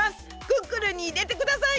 クックルンにいれてください！